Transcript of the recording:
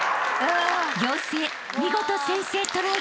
［仰星見事先制トライ］